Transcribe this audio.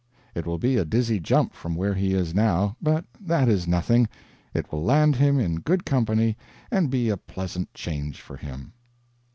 It will be a dizzy jump from where he is now, but that is nothing, it will land him in good company and be a pleasant change for him.